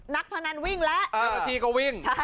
นักพนันวิ่งแล้ว